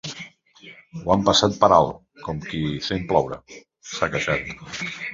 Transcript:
Ho han passat per alt com qui sent ploure, s’ha queixat.